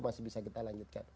masih bisa kita lanjutkan